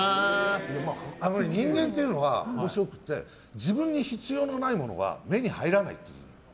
人間というのは面白くて自分に必要のないものは目に入らないっていうの。